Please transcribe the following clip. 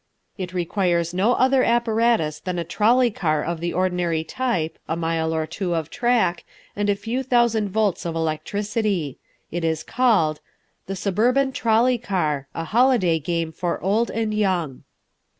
It requires no other apparatus than a trolley car of the ordinary type, a mile or two of track, and a few thousand volts of electricity. It is called: The Suburban Trolley Car A Holiday Game for Old and Young.